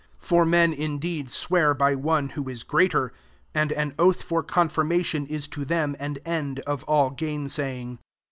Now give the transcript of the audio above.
16 For men indeed sweat by oe who ia greater : arid an oath or confirmation ia to them an end of all gain saying.